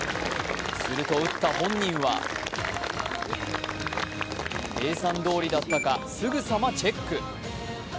すると打った本人は、計算どおりだったかすぐさまチェック。